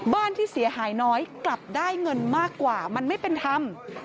บ้านที่เสียหายน้อยกลับได้เงินมากกว่ามันไม่เป็นธรรม